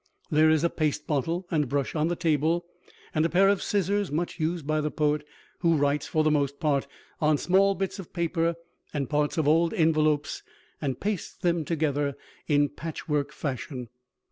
There is a paste bottle and brush on the table and a pair of scissors, much used by the poet, who writes, for the most part, on small bits of paper and parts of old envelopes and pastes them together in patchwork fashion.